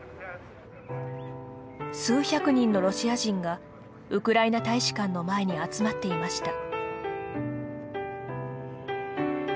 数百人のロシア人がウクライナ大使館の前に集まっていました。